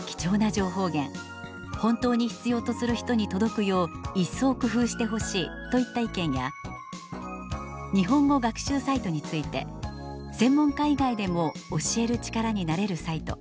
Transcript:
本当に必要とする人に届くよう一層工夫してほしい」といった意見や「日本語学習サイト」について「専門家以外でも教える力になれるサイト。